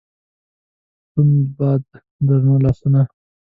د توند باد درنو لاسونو